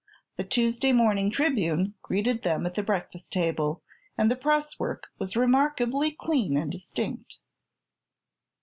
The Tuesday morning Tribune greeted them at the breakfast table, and the presswork was remarkably clean and distinct.